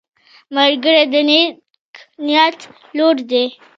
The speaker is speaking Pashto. ملګری د نیک نیت لور دی